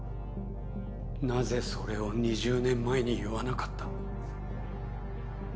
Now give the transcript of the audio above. なぜそれを２０年前に言わなかった？